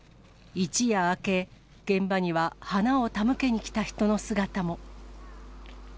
一夜明け、現場には花を手向けに来た人の姿も。